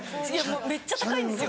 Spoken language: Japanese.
めっちゃ高いんですよ。